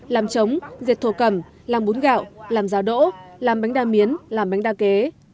làm trống dệt thổ cẩm làm bún gạo làm giá đỗ làm bánh đa miến làm bánh đa kế